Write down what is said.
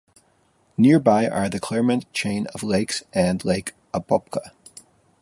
Nearby are the Clermont Chain of lakes and Lake Apopka.